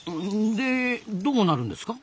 でどうなるんですか？